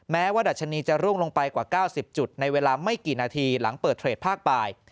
แม้ว่าดัชนีจะร่วงลงไปกว่า๙๐จุดในเวลาไม่กี่นาทีหลังเปิดเทรดภาคบ่าย